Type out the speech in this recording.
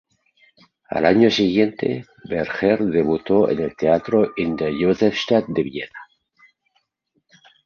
Al año siguiente, Berger debutó en el Teatro in der Josefstadt de Viena.